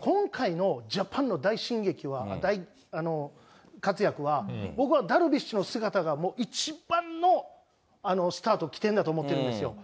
今回のジャパンの大進撃は、大活躍は、僕はダルビッシュの姿がもう一番のスタート、きてんだと思ってるんですよ。